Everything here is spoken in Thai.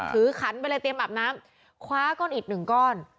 ขันไปเลยเตรียมอาบน้ำคว้าก้อนอิดหนึ่งก้อน